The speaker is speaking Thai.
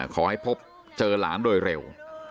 ขอให้พบเจอหลานโดยเร็ว